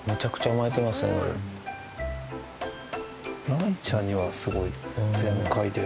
雷ちゃんにはすごい全開で。